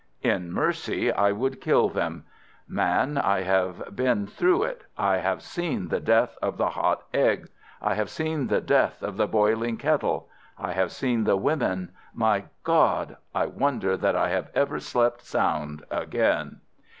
"In mercy I would kill them. Man, I have been through it. I have seen the death of the hot eggs; I have seen the death of the boiling kettle; I have seen the women—my God! I wonder that I have ever slept sound again."